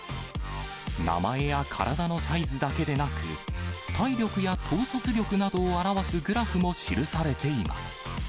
名前や体のサイズだけでなく、体力や統率力などを表すグラフも記されています。